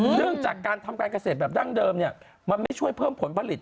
เรื่องจากการทำการเกษตรแบบดั้งเดิมเนี่ยมันไม่ช่วยเพิ่มผลผลิต